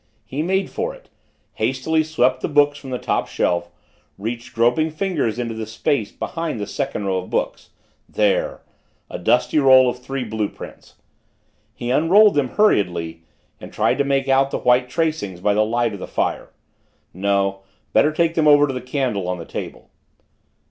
He made for it, hastily swept the books from the top shelf, reached groping fingers into the space behind the second row of books. There! A dusty roll of three blue prints! He unrolled them hurriedly and tried to make out the white tracings by the light of the fire no better take them over to the candle on the table.